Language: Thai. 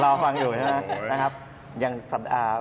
รอฟังอยู่นะครับ